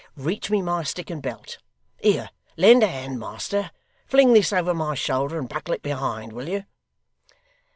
Reach me my stick and belt. Here! Lend a hand, master. Fling this over my shoulder, and buckle it behind, will you?